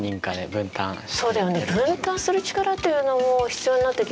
分担する力っていうのも必要になってきますか？